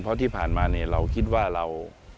เพราะที่ผ่านมาเนี่ยเราคิดว่าเรา